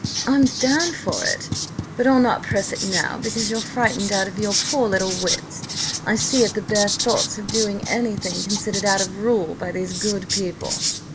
I'm down for it. But I'll not press it now, because you're frightened out of your poor little wits, I see, at the bare thoughts of doing any thing considered out of rule by these good people.